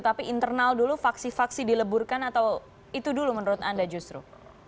tapi internal dulu faksi faksi dileburkan atau itu dulu menurut anda justru